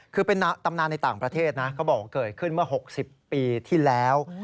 คือเป็นตำนานในต่างประเทศนะเขาบอกว่าเกิดขึ้นเมื่อ๖๐ปีที่แล้ว